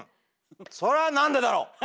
それはなんでだろう！